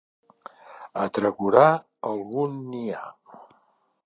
A Tregurà algun n'hi ha.